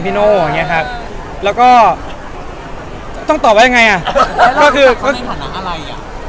พี่เห็นไอ้เทรดเลิศเราทำไมวะไม่ลืมแล้ว